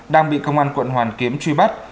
đang bị công an quận hoàn kiếm truy bắt